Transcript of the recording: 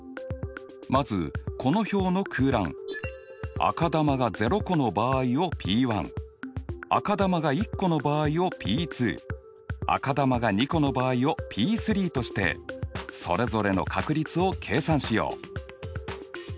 まずこの表の空欄赤球が０個の場合をｐ赤球が１個の場合をｐ赤球が２個の場合をｐとしてそれぞれの確率を計算しよう。